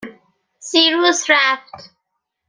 سیروس رفت